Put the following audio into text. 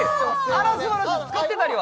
あらすばらしい使ってたりは？